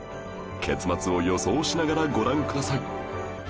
結末を予想しながらご覧ください